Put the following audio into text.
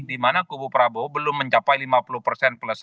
dimana kubu prabowo belum mencapai lima puluh plus satu